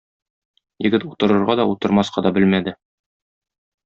Егет утырырга да, утырмаска да белмәде.